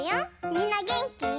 みんなげんき？